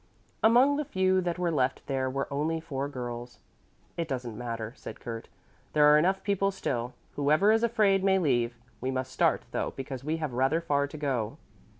Among the few that were left there were only four girls. "It doesn't matter," said Kurt. "There are enough people still. Whoever is afraid may leave. We must start, though, because we have rather far to go.